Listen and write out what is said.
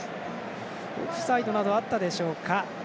オフサイドなどあったでしょうか。